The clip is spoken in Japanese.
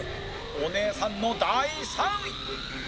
お姉さんの第３位